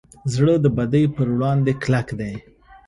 زړه د بدۍ پر وړاندې کلک دی.